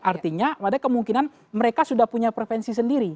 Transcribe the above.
artinya ada kemungkinan mereka sudah punya prevensi sendiri